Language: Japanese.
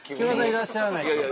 いらっしゃらないです。